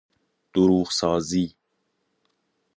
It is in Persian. دروغ سازی